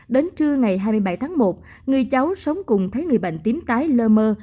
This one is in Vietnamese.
đến trưa ngày hai mươi bảy tháng một người cháu sống cùng thấy người bệnh tím tái lơ mơ